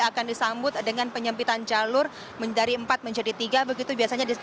akan disambut dengan penyempitan jalur dari empat menjadi tiga begitu biasanya di kawasan yang lainnya